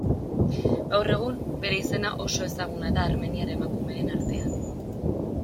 Gaur egun, bere izena oso ezaguna da armeniar emakumeen artean.